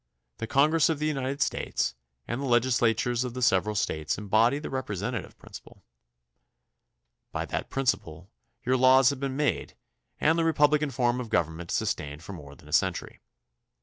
The Congress of the United States and the legislatures of the several States embody the repre sentative principle. By that principle your laws have been made and the republican form of government sustained for more than a century.